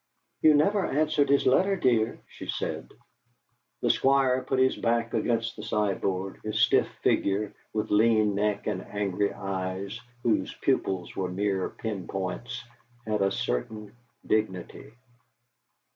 "You never answered his letter, dear," she said. The Squire put his back against the sideboard; his stiff figure, with lean neck and angry eyes, whose pupils were mere pin points, had a certain dignity.